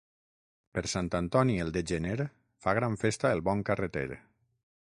Per Sant Antoni, el de gener, fa gran festa el bon carreter.